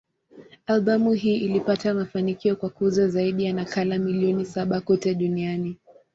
Albamu hii ilipata mafanikio kwa kuuza zaidi ya nakala milioni saba kote duniani.